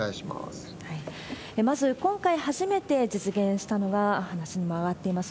まず、今回初めて実現したのが、話にも上がっています